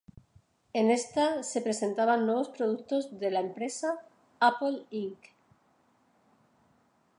En esta se presentaban nuevos productos de la empresa Apple Inc.